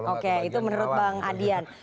oke itu menurut bang adian